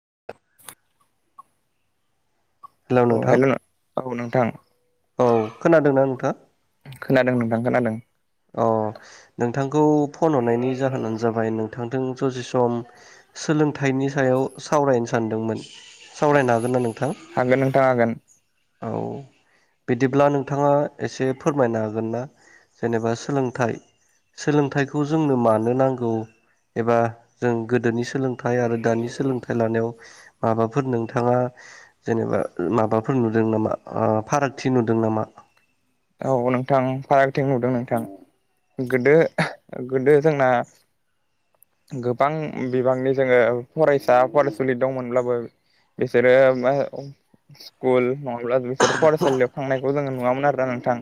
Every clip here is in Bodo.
[unintelligible] [inaudible] हेलौ औ नोंथां हेल' नो औ नोंथां। औ खोनादोंना नोंथाङा? खोनादों नोंथां खोनादों। अ नोंथांखौ फन हरनायनि जाहोनानो जाबाय नोंथांजों जसे सम सोलोंथाइनि सायाव सावरायनो सानदोंमोन सावरायनो हागोनना नों हागोन नोंथां हागोन। औ बिदिब्ला नोंथाङा एसे फोरमायनो हागोन ना? जेनेबा सोलोंथाइ सोलोंथाइखौ जोंनो मानो नांगौ एबा जों गोदोनि सोलोंथाइ आरो दानि सोलोंथाइ लानायाव माबाफोर नोंथाङा जेनेबा माबाफोर नुदों नामा ओ फारागथि नुदों नामा? औ नोंथां फारागथिं नुदों नोंथां। गोदो गोदो जोंना गोबां बिबांनि जोङो फरायसा फरायसुलि दंमोनब्लाबो बिसोरो मा स्कुल नङाब्ला बिसोरो फरायसालियाव थांनायखौ जोङो नुवामोन आरोना नों थां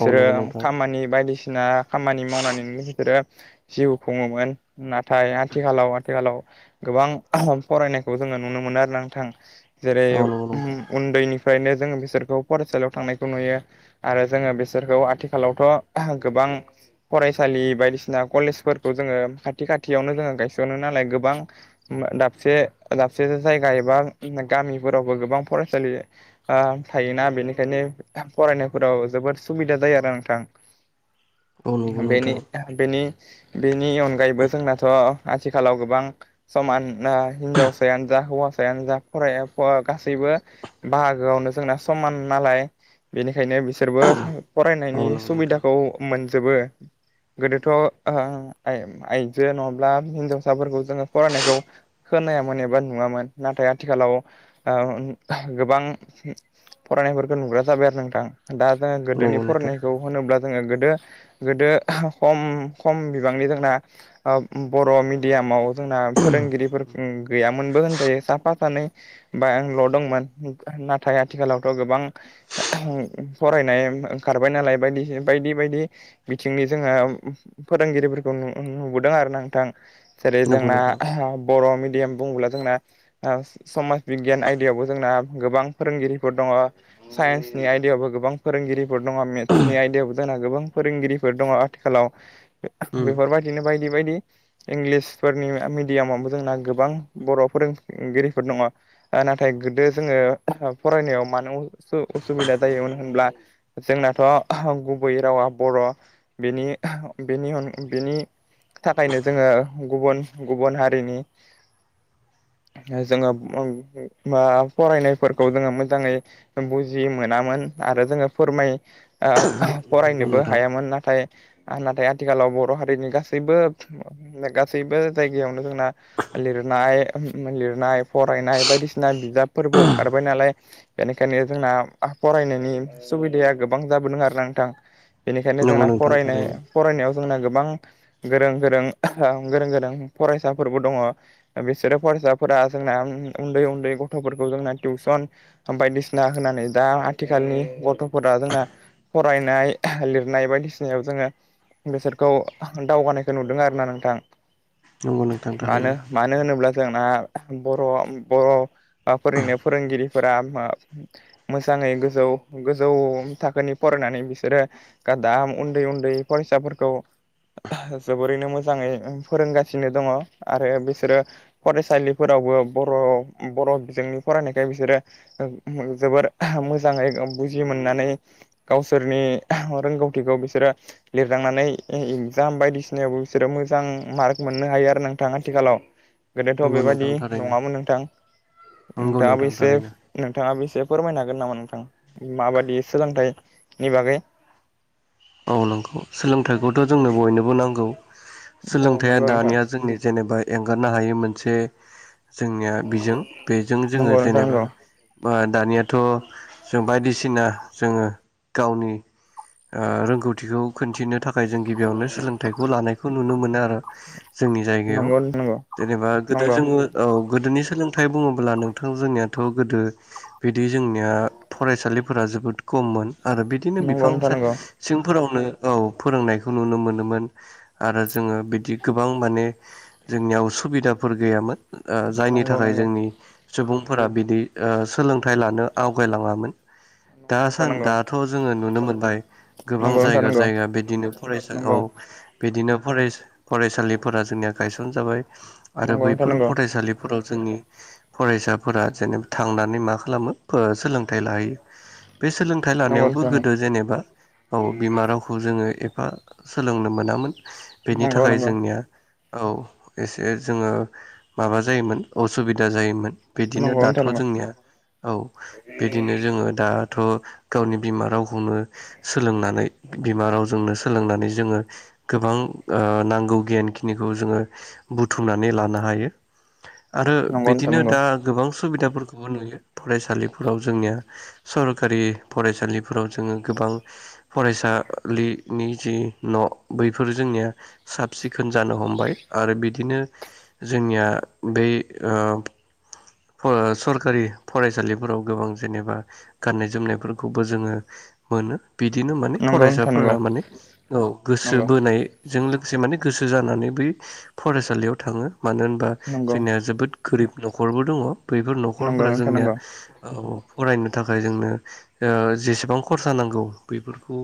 औ नंगौ नोंथां खामानि बायदिसि ना खामानि मावनानैनो बिसोरो जिउ खुङोमोन नाथाय आथिखालाव आथिखालाव गोबां फरायनायखौ जोङो नुनो मोनो आरोना नोंथां। जेरै औ नंगौ नोंथां उम उन्दैनिफ्रायनो जोङो बिसोरखौ फरायसालियाव थांनायखौ नुयो। आरो जोङो बिसोरखौ आथिखालावथ' गोबां फरायसालि बायदिसिना कलेजफोरखौ जोङो खाथि खाथियावनो जोङो गायस'नो नालाय गोबां दाबसे दाबसे जायगा एबा गामिफोरावबो गोबां फरायसालि आ थायोना बेनिखायनो फरायनो फोराव जोबोद सुबिदा जायो आरो औ नंगौ नोंथां बेनि नोंथां बेनि बेनि अनगायैबो जोंनाथ' आथिखालाव गोबां समान ना हिनजावसायानो जा हौवासायानो जा फराय ओ गासैबो बाहागोआवनो जोंना समान नालाय बेनिखायनो बिसोरबो औ फरायनायनि नंगौ नोंथां सुबिदाखौ मोनजोबो। गोदोथ' ओ आइ आइजो नङाब्ला हिनजावसाफोरखौ जोङो फरायनायखौ खोनायामोन एबा नुआमोन नाथाय आथिखालाव ओ गोबां फरायनायफोरखौ नुग्रा जाबाय आरो नोंथां दा जोङो नंगौ गोदोनि नोंथां फरायनायखौ होनोब्ला जोङो गोदो गोदो खम खम बिबांनि जोंना ओ बर' मिडियाम माव जोंना फोरोंगिरिफोर गैयामोनबो होनजायो साफा सानै बा आंल' दंमोन नाथाय आथिखालावथ' गोबां फरायनाय ओं ओंखारबाय नालाय बायदि बायदि बायदि बायदि बिथिंनि जोङो फोरोंगिरि फोरखौ नु नुबोदों आरो नोंथां जेरै नंगौ जोंना नोंथां बर' मि दिएम बुङोब्ला जोंना ओ समाज बिगियान आयदायावबो जोंना गोबां फोरोंगिरिफोर दङ सायन्स नि आयदायावबो गोबां फोरोंगिरिफोर दङ मेथ्सनि आयदायाव जोंना गोबां फोरोंगिरिफोर दङ आथिखालाव उम बेफोरबायदिनो बायदि बायदि इंलिसफोरनि मिडियामावबो जोंना गोबां बर' फोरों गिरिफोर दङ नाथाय गोदो जोङो फरायनायाव मानो उसुबिदा जायोमोन होनब्ला जोंनाथ' गुबै रावा बर' बिनि बिनि अन बिन बेनि थाखायनो जोङो गुबुन गुबुन हारिनि [inaudible] जोङो मा फरायनायफोरखौ जोङो मोजाङै बुजि मोनामोन आरो जोङो फोरमाय ओ नंगौ फरायनोबो नोंथां हायामोन नाथाय नाथाय नाथाय आथिखालाव बर' हारिनि गासैबो गासैबो जायगायावनो जोंना लिरनाय लिरनाय फरायनाय बायदिसिना बिजाबफोरबो ओंखारबाय नालाय बेनिखायनो जोंना फरायनायनि सुबिदाया गोबां जाबोदों आरो ना नोंथां बेनिखायनो नंगौ जोंना नोंथां फरायनाय थारैनो फरायनायाव जोंना गोबां गोरों गोरों गोरों गोरों फरायसाफोरबो दङ बिसोरो फरायसाफोरा जों ना उन्दै उन्दै गथ'फोरखौ जोंना टिउसन बायदिसिना होनानै दा आथिखालनि गथ'फोरा जोंना फरायनाय लिरनाय बायदिसिनायाव जोङो बेसोरखौ दावगानायखौ नुदों आरोना नोंथां नंगौ नोंथां मानो थारैनो मानो होनोब्ला जों आ बर' फोरैनो फोरोंगिरिफोरा मोजाङै गोस जौ गोजौ थाखोनि फरायनानै बिसोरो गादाम उन्दै उन्दै फरायसाफोरखौ जोबोरैनो मोजाङै फोरोंगासिनो दङ आरो बिसोरो फरायसालिफोराव बो बर' बिजोंनि फरायनायखाय बिसोरो जोबोर मोजां मोजाङै बुजि मोननानै गावसोरनि रोंगौथिखौ बिसोरो लिरलांनानै ए इगजाम बायदिसिनायावबो बिसोरो मोजां मार्क मोननो हायो आरो नोंथां आथिखालाव गोदोथ' नंगौ नोंथां बेबायाददि थारैनो नङामोन नोंथां नंगौ नोंथाङाबो नोंथां एसे थारैनो नोंथाङाबो एसे फोरमायनो हागोन नामा नों माबायि सोलोंथाइनि बागै औ नंगौ सोलोंथाइखौथ' जोंनो बयनोबो नांगौ औ सोलोंथाइया नंगौ नोंथां दानिया जोंनि जेनेबा एंगारनो हायै मोनसे जोंनिया बिजों बेजों जोङो नंगौ नोंथां जेनेबा नंगौ बा दानियाथ' जों बायदिसिना जोङो गावनि ओ रोंगौथिखौ खोनथिनो थाखाय जों गिबियावनो सोलोंथाइखौ लानायखौ नुनो मोनो आरो जोंनि जायगायाव नंगौ नंगौ जेनेबा गोदो नंगौ जोङो औ गोदोनि सोलोंथाइ बुङोब्ला नोंथां जोंनियाथ' गोदो बिदि जोंनिया फरायसालिफोरा जोबोद खममोन आरो बिदिनो नंगौ बिफां नोंथां सा नंगौ फोरावनो औ फोरोंनायखौ नुनो मोनोमोन आरो जोङो बिदि गोबां माने जोंनियाव सुबिदाफोर गैयामोन जायनि नंगौ थाखाय नंगौ जोंनि सुबुंफोरा बिदि ओ सोलोंथाइ लानो आवगायलाङामोन दा नंगौ नोंथां सान दाथ' जोङो नुनो मोनबाय गोबां जायगा नंगौ जायगा बिदिनो फरायसा औ नंगौ बिदिनो फरायस फरायसालिफोरा जोंनिया गायसन जाबाय आरो नोंथां बैफोर नंगौ फरायसालिफोराव जोंनि फरायसाफोरा जेनेबा थांनानै मा खालामो ओ सोलोंथाइ लाहैयो बे सोलोंथाइ नंगौ लानायावबो नोंथां गोदो जेनेबा औ बिमा रावखौ जों ङो एफा सोलोंनो मोनामोन बेनि थाखाय नंगौ जोंनिया औ एसे जोङो माबा जायोमोन असुबिदा जायोमोन बिदिनो नंगौ नोंथां दाथ' नंगौ जोंनिया औ बिदिनो जोङो दा थ' गावनि बिमा रावखौनो सोलोंनानै बिमा रावजोंनो सोलोंनानै जोङो गोबां नांगौ गियानखिनिखौ जोो बुथुमनानै लानो हायो आरो नंगौ नंगौ नोंथां बिदिनो दा नंगौ गोबां सुबिदाफोरखौबो नुयो फरायसालिफोराव जोंनिया सरखारि फरायसालिफोराव जोङो गोबां फरायसालिनि जि न' बैफोर जोंनिया साब सिखोन जानो हमबाय आरो बिदिनो जोंनिया बै सरखारि फरायसालिफोराव गोबां जेनेबा गाननाय जोमनायफोरखौबो जोङो मोनो बिदिनो माने नंगौ नोंथां नंगौ फरायसाफोरा माने औ गोसो बोनायजों गोस माने गोसो जानानै बै फरायसालियाव थाङो मानो होनबा जोंनिया जोबोद गोरिब न'खरबो दङ बैफोर नंगौ न'खरफोरा नोंथां जोंनिया नंगौ औ फरायनो थाखाय जोंनो जेसेबां खरसा नांगौ बेफोरखौ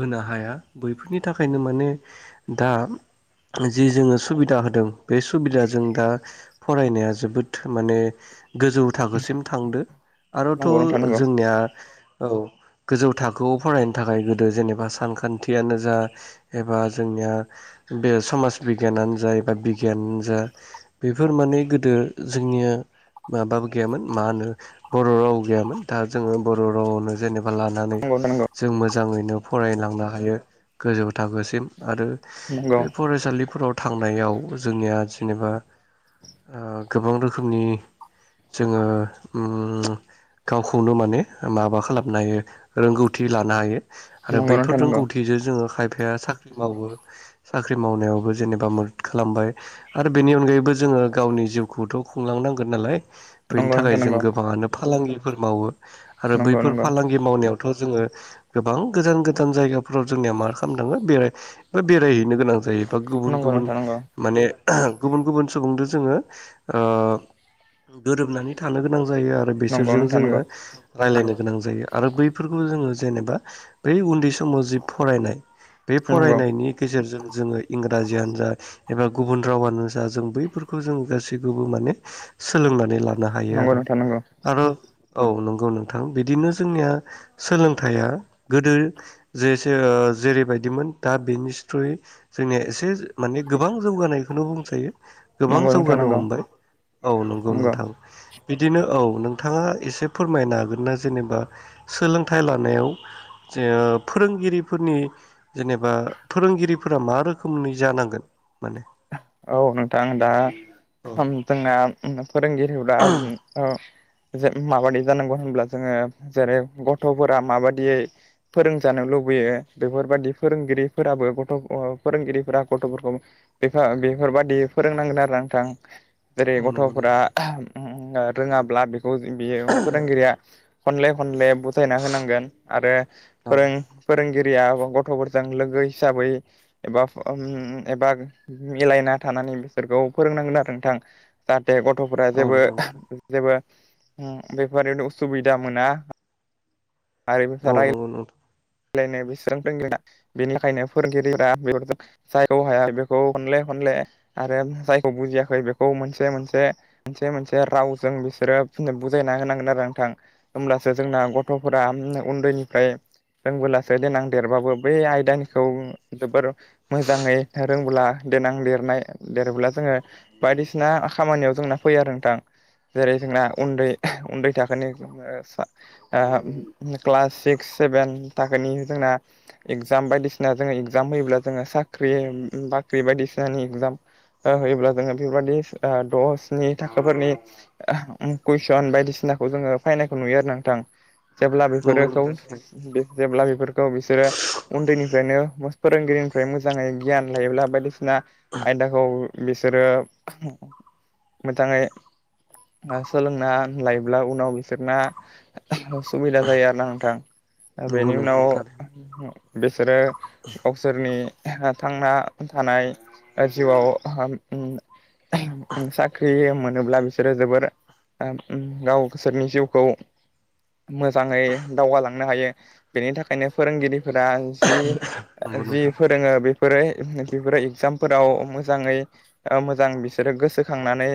होनो हाया बैफोरनि थाखायनो माने दा जि जोङो सुबिदा होदों बे सुबिदाजों दा फरायनाया जोबोद माने गोजौ थाखोसिम थांदो आरोथ' नंगौ नंगौ नोंथां नंगौ नोंथां नंगौ जोंनिया औ गोजौ थाखोआव फरायनो थाखाय गोदो जेनेबा सानखान्थियानो जा एबा जोंनिया बे समाज बिगियानानो जा ए बा बिगियानानो जा बेफोर माने गोदो जोंनिया माबाबो गैयामोन मा होनो बर' राव गैयामोन दा जोङो बर' रावआवनो जेनेबा एाबा लानानै नंगौ जों मोजाङैनो फरायलांनो हायो गोजौ थाखोसिम आरो बे फरायसालिफोराव थांनायाव जोंनिया जेनेबा गोबां रोखोमनि जोङो गावखौनो माने माबा खालामनो हायो रोंगौथि ल हायो आरो बैफोर नोंथां नंगौ रोंौथिजों ज बिफाया साख्रि मावो साख्रि मावनायावबो जेनेबा मदद खालामबाय आरो बेनि अनगायैबो जों जोङो गावनि जिउखौथ' खुंलांनांगोन नालाय बेनि थाखाय जों गोबाङानो फालांगिफोर मावो आरो नंगौ नंगौ बैफोर नोंथां फालांगि मावनायाव थ जोङो गोबां गोजान गोजान जायगाफोराव जोंनिया मा खालाम थाङो बेा बेरायहैनो गोनां जायो बा गुबुन गुबुन नंगौ माने गुबुन गुबुन सुबुंजों जोङो गोरोबनानै थानो गोनां जायो आरो नंगौ बिसोरजों नोंथां जोङो नंगौ राय्लायनो गोनां जायो आरो बैफोरखौ जोङो जेनेबा बै उन्दै समाव जि फरायनाय बे नंगौ फरायनायनि गेजेरजों जोङो इंराजियानो जा एबा गुबुन रावानो जा जों बैफोरखौ जों गखौबो माने सोलोंनानै लानो नंगौ हायो आरो नोंथां नंगौ आरो औ नंगौ नोंथां बिदिनो जोंनिया सोलोंथाइया गोदो जेसे जेरैबायदिमोन दा बेनि थ्रुयै जोंनिया एसे माने गोबां जौगानायखौनो बुंखायो गोबां नंगौ नोंथां नंगौ नोंथां नंगौ नोंथां जौगानो नंगौ हमबाय औ नंगौ नोंथां बिदिनो औ नोंथाङा एसे फोरमायनो हागोन ना जेनेबा सोलोंथाइ लानायाव जे फोरोंगिरिफोरनि जेनेबा फोरोंगिरिफोरा मा रोखोमनि जानांगोन माने औ नोंथां दा औ जोंना फोरोंगिरि जा माबादायदि जानांगौ होनब्ला जोङो जेरै गथ'फोरा माबाददियै फोरोंजानो लुबैयो लुबैयो बेफोरबादि फोरोंगिरिफोराबो गथ' फोरोंगिरिफोरा गथ'फोरखौ बे बेफोरबादि फोरोंनांगोन आरो नंथां जेरै औ नंगौ गथ'फोरा नोंथां रोङाब्ला बेखौ बियो फोरोंगिरिया खनले खनले गथायना होनांगोन आरो औ फोरों फोरोंगिरि गथ'फोरजों लोगो हिसाबै एबा एबा मिलायना थानानै बिसोरखौ फोरोंनांगोन आरो नोंथां जाहाथे दे गथ'फोरा औ जेबो नंगौ नोंथां जेबो बेफोरनो उसुबिदा मोना आरो औ रा नंगौ नोंथां [unintelligible] बेनिखायनो फोरोंगिरिफ्रा बेफोर जायखौ हाया बेखौ खनले नले आरो जायखौ बुजियाखै बेखौ मोनसे मोनसे मोनसे मोनसे रावजों बिसोरो नो बुजायना होनांगोन आरो नथां होमब्लासो जोंना गथ'फोरा उन्दैनिफ्राय रोंबोलासो देनां देरबाबो बे आयदानिखौ जोबोर मोजाङै रोंबोला देनां देरनाय देरोब्ला जोङो बायदिसिना खामानियाव जोंना फैयो आरो नथां। जेरै जोंना उन्दै उन्दै थाखोनि ओ स ओ क्लास सिक्स सेभेन थाखोनि जोंना इगजाम बायदिसिना जोङो इगजाम होयोब्ला जोङो साख्रि बाख्रि बायदिस फेनिग एगजाम होयोब्ला जोङो बेफोरबादि द'सनि थाखोफोरनि कुइसन बायदिसिना जो फायनायखौ नुयो आरो नोंथां जेब्ला नंगौ बेफोरो नोंथां गावस थारैनो बेफोरखौ बिसोरो उन्दैनिफ्रायनो मस फोरोंगिरिनिफ्राय मोजाङै गियान लायोब्ला बायदिस ना आयदाखौ बिसोरो मोजाङै सोलोंना लायोब्ला उनाव बिसोरना सुबिदा जायो आरोना नोंथां। ओ नंगौ बेनि उनाव नोंथां थारैनो बिसोरो गावसोरनि थांना थानाय जिउआव हाम होम साख्रि मोन नोब्ला बिसोरो जोबोर आ अम गावसोरनि जिउखौ मोजाङै दावगालांनो हायो बेनि थाखायनो फोरोंगिरिफोरा नंगौ जि-जि नोंथां फोरोङो बेफोरो बेफोर एगजामफोराव मोजाङै मोजां बिसोरो गोसोखांनानै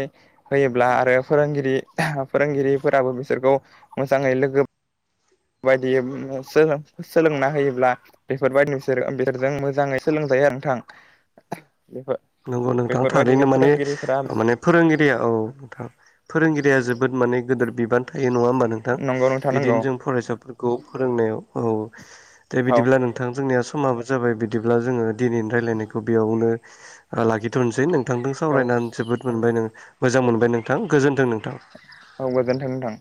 होयोब्ल ला आरो फोरोंगिरि फोरोंगिरिफोराबो बिसोरखौ मोजाङै लोगो बायदियै बु सोलों-सोलोंना होयोब्ला बेफोरबायदि बिसोर बिसोरजों मोजाङै सोलोंजायो नोंथां। [inaudible] बेफोर नंगौ नोंथां बेफोरबायदिनो थारैनो माने फोरोंगिरिफोरा माने फोरोंगिरिया औ नोंथां। फोरोंगिरिया जोबोद माने गोदोर बे नङा होमबा नोंथां नंगौ नोंथां नंगौ बिदिनो जों फरायसाफोरखौ फोरोंनायाव औ दा औ बिदिब्ला नोंथां थां जोंनिया समाबो जाबाय बिदिब्ला जोङो दिनैनि रायलायनायखौ बेयावनो लाखिथ'नोसै नों नोंथांजों औ सावरायनानै जोबोद मोनबाय न मोजां मोनबाय नोंथां गोजोन्थों नोंथां। औ गोजोन्थोंमोनथां।